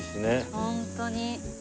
本当に。